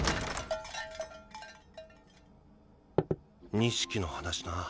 錦の話な。